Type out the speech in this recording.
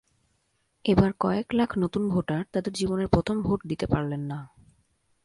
এবার কয়েক লাখ নতুন ভোটার তাঁদের জীবনের প্রথম ভোট দিতে পারলেন না।